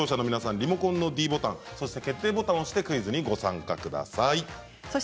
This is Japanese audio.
リモコンのｄボタンそして決定ボタンを押してクイズにご参加ください。